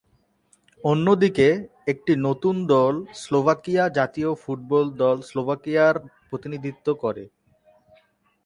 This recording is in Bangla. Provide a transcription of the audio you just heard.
অন্যদিকে, একটি নতুন দল স্লোভাকিয়া জাতীয় ফুটবল দল স্লোভাকিয়ার প্রতিনিধিত্ব করে।